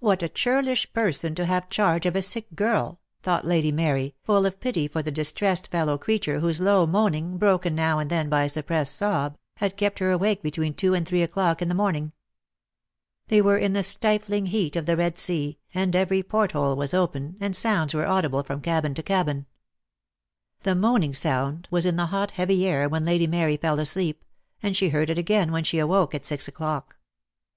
"What a churlish person to have charge of a sick girl," thought Lady Mary, full of pity for the distressed fellow creature whose low moaning, broken now and then by a suppressed sob, had kept her awake between two and three o'clock in the morn ing. They were in the stifling heat of the Red Sea, and every port hole was open, and sounds were audible from cabin to cabin. The moaning sound was in the hot heavy air when Lady Mary fell asleep, and she heard it again when she awoke at six o'clock.